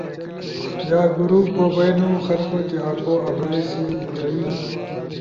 یا گروپ بو بئینو۔ خلقو تیا آکو ابرئی سی تھئی